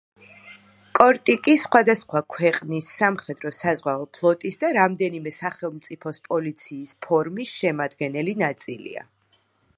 კორტიკი სხვადასხვა ქვეყნის სამხედრო-საზღვაო ფლოტის და რამდენიმე სახელმწიფოს პოლიციის ფორმის შემადგენელი ნაწილია.